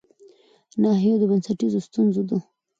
ناحيو د بنسټيزو ستونزو د